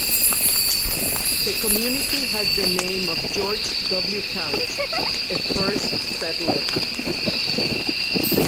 The community has the name of George W. Couch, a first settler.